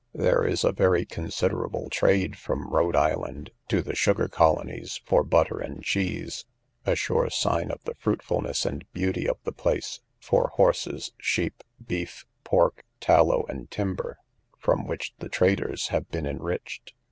There is a very considerable trade from Rhode island to the sugar colonies for butter and cheese, a sure sign of the fruitfulness and beauty of the place, for horses, sheep, beef, pork, tallow, and timber, from which the traders have been enriched.